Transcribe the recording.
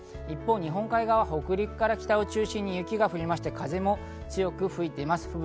一方、日本海側は北陸から北を中心に雪が降って風も強く吹いています。